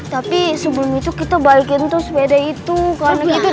tapi sebelum itu kita balikin tuh sepeda itu ke anak itu